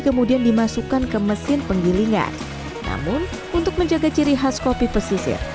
kemudian dimasukkan ke mesin penggilingan namun untuk menjaga ciri khas kopi pesisir